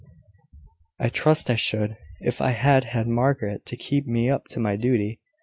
"I trust I should, if I had had Margaret to keep me up to my duty."